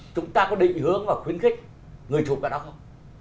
chúng ta có định hướng và khuyến khích người chủ cả đó không